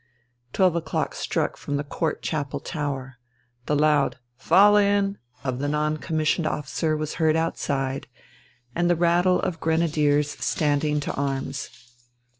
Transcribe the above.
Twelve o'clock struck from the Court Chapel tower. The loud "Fall in!" of the non commissioned officer was heard outside, and the rattle of grenadiers standing to arms.